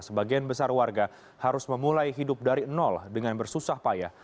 sebagian besar warga harus memulai hidup dari nol dengan bersusah payah